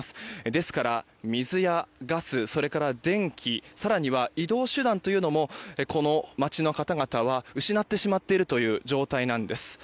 ですから水やガス、それから電気更には移動手段というのもこの町の方々は失ってしまっている状態なんです。